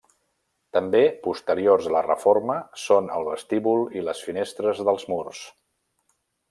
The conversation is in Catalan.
També posteriors a la reforma són el vestíbul i les finestres dels murs.